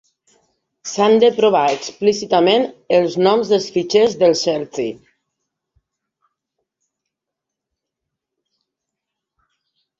S'han de provar explícitament els noms de fitxers del shell C.